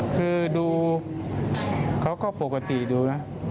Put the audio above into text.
คือดูเขาก็ปกติดูนะ